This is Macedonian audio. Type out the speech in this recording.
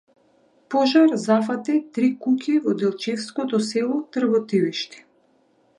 Пожар зафати три куќи во делчевското село Тработивиште